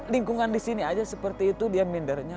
lingkungan di sini aja seperti itu dia mindernya